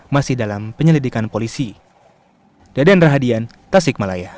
masih dalam penyelidikan polisi